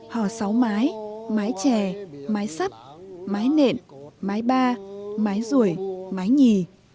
hò sáu mái mái chè mái sắp mái nện mái ba mái ruổi mái nhì